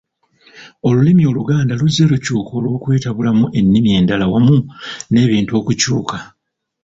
Olulimi Oluganda luzze lukyuka olw’okwetabulamu ennimi endala wamu n’ebintu okukyuka.